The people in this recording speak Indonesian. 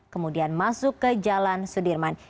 kemudian masuk ke jalan sudirman